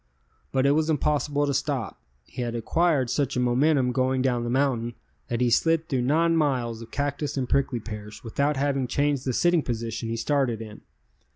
But it was impossible to stop, he had acquired such a momentum going down the mountain that he slid through nine miles of cactus and prickly pears without having changed the sitting position he started in.